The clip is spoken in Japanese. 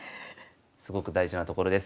すごく大事なところです。